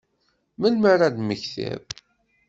Melmi ara ad temmektiḍ?